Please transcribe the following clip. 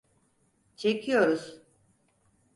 Çekiyoruz.